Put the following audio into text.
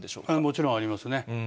もちろんありますね。